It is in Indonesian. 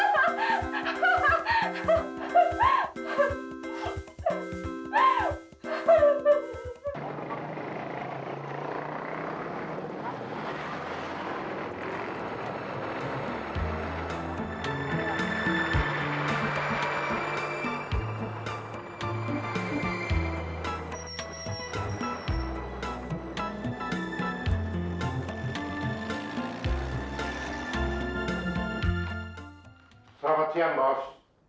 selamat siang bos